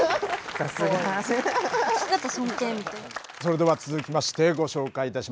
さすが！それでは続きましてご紹介いたしましょう。